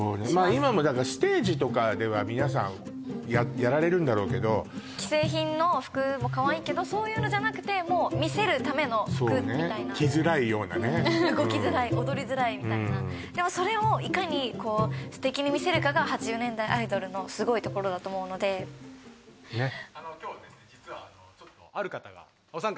今もだからステージとかでは皆さんやられるんだろうけど既製品の服もカワイイけどそういうのじゃなくて魅せるための服みたいなそうね着づらいようなね動きづらい踊りづらいみたいなでもそれをいかにステキにみせるかが８０年代アイドルのすごいところだと思うのでねっえっ？